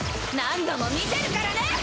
何度も見てるからね！